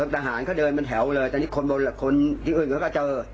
เพิ่มทหารเค้าเดินเป็นแถวเลยแต่นี่คนบนคนที่อื่นเค้าก็เจอ